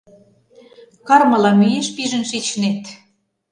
Кармыла мӱеш пижын шичнет.